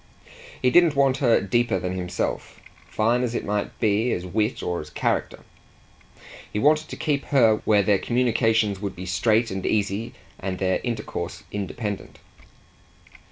He didn't want her deeper than himself, fine as it might be as wit or as character; he wanted to keep her where their communications would be straight and easy and their intercourse independent.